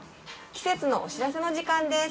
季節のお知らせの時間です。